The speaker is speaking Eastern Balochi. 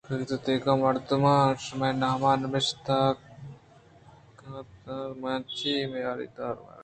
کاگد دگہ مردماں شمئے نام ءَ نبشتگ اِت اَنتءُمیانجی ءَمیاری مارا کنگ بوت